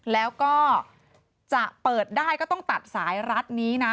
แล้วก็จะเปิดได้ก็ต้องตัดสายรัดนี้นะ